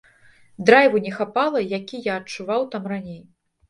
Драйву не хапала, які я адчуваў там раней.